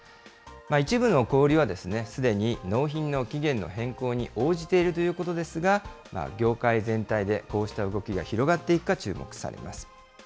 一部の小売りは、すでに納品の期限の変更に応じているということですが、業界全体でこうした動きが広がっていくか注目されます。